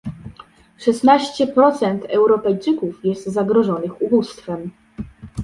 Szesnaście procent Europejczyków jest zagrożonych ubóstwem